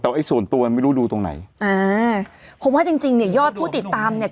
แต่ไอ้ส่วนตัวมันไม่รู้ดูตรงไหนอ่าเพราะว่าจริงจริงเนี่ยยอดผู้ติดตามเนี่ย